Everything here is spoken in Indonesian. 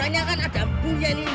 kamu baik sekali alvin